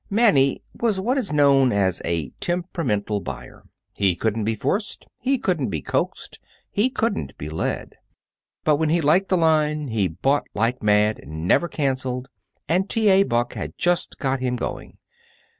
Mannie was what is known as a temperamental buyer. He couldn't be forced; he couldn't be coaxed; he couldn't be led. But when he liked a line he bought like mad, never cancelled, and T. A. Buck had just got him going.